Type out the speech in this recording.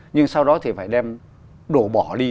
nhưng sau đó thì phải đem đổ bỏ đi